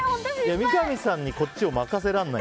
三上さんにこっちを任せられない。